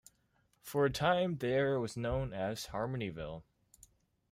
For a time the area was known as Harmonyville.